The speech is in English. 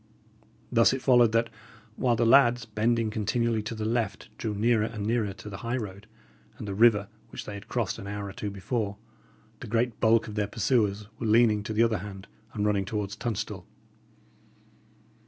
Thus it followed that, while the lads, bending continually to the left, drew nearer and nearer to the high road and the river which they had crossed an hour or two before, the great bulk of their pursuers were leaning to the other hand, and running towards Tunstall.